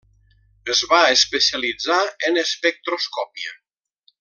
Es va especialitzar en espectroscòpia.